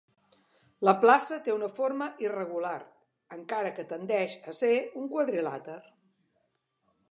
La plaça té una forma irregular, encara que tendeix a ser un quadrilàter.